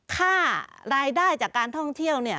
ค่ารายได้จากการท่องเที่ยวเนี่ย